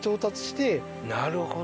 なるほど。